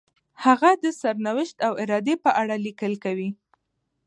هغه د سرنوشت او ارادې په اړه لیکل کوي.